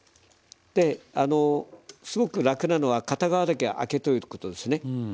すごく楽なのは片側だけあけとくことですね。